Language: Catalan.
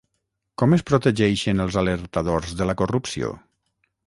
Com es protegeixen els alertadors de la corrupció?